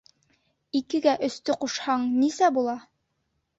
Икегә өстө ҡушһаң нисә була?